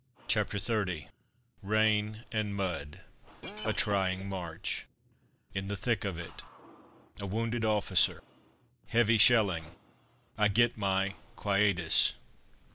CHAPTER XXX RAIN AND MUD A TRYING MARCH IN THE THICK OF IT A WOUNDED OFFICER HEAVY SHELLING I GET MY "QUIETUS!"